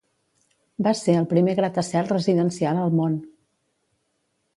Va ser el primer gratacel residencial al món.